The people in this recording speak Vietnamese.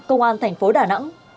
công an thành phố đà nẵng